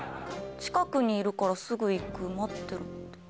近くにいるからすぐ行く待ってろ？